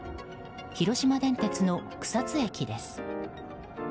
広島電鉄の草津駅です。